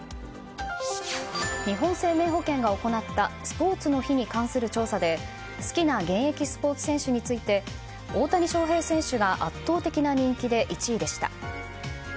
日本生命保険が行ったスポーツの日に関する調査で好きな現役スポーツ選手について大谷翔平選手が圧倒的な人気で１位でした。